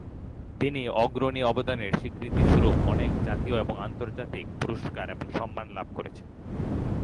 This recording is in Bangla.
তিনি অগ্রণী অবদানের স্বীকৃতিস্বরূপ অনেক জাতীয় এবং আন্তর্জাতিক পুরস্কার এবং সম্মান লাভ করেছেন।